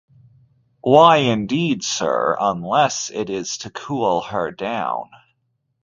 Why, indeed, sir, unless it is to cool her down!